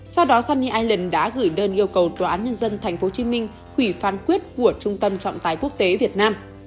sau đó sunny ireland đã gửi đơn yêu cầu tòa án nhân dân tp hcm hủy phán quyết của trung tâm trọng tài quốc tế việt nam